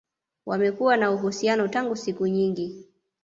Wamekuwa na uhusiano tangu siku nyingi